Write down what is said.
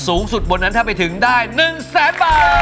สูงสุดบนนั้นถ้าไปถึงได้๑แสนบาท